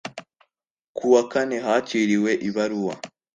Ku wa kane hakiriwe ibaruwa